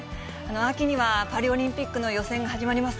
秋にはパリオリンピックの予選が始まります。